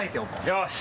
よし！